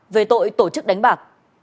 về tội tổ chức đánh bạc